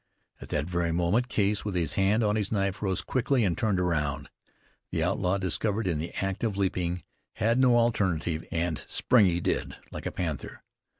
At that very moment Case, with his hand on his knife, rose quickly and turned round. The outlaw, discovered in the act of leaping, had no alternative, and spring he did, like a panther.